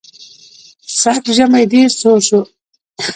سږ ژمی ډېر سوړ شو.